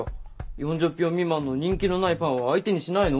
４０票未満の人気のないパンは相手にしないの？